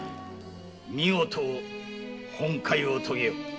見事本懐をとげよ。